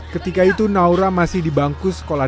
ketika itu naura masih di bangku sekolah